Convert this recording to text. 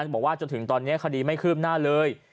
บอกว่าจนถึงตอนนี้คดีไม่คืบหน้าเลย